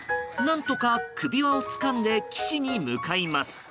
何とか首輪をつかんで岸に向かいます。